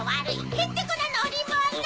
へんてこなのりもの！